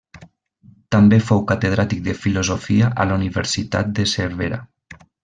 També fou catedràtic de filosofia a la Universitat de Cervera.